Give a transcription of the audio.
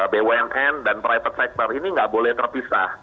bumn dan private sector ini nggak boleh terpisah